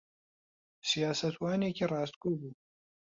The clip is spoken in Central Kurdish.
سیاسەتوانێکی ڕاستگۆ بوو.